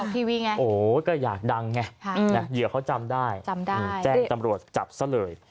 โหก็อยากดังไงเหลือเขาจำได้แจ้งตำรวจจับซะเลย